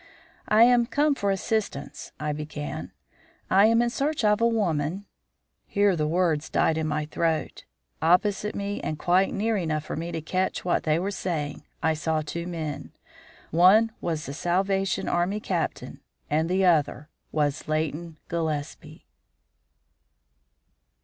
"I am come for assistance," I began. "I am in search of a woman " Here the words died in my throat. Opposite me and quite near enough for me to catch what they were saying, I saw two men. One was a Salvation Army Captain and the other was Leighton Gillespie.